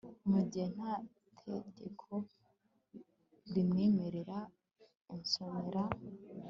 mu gihe nta tegeko ribimwemerera usonera